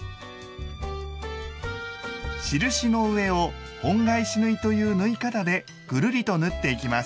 印の上を「本返し縫い」という縫い方でぐるりと縫っていきます。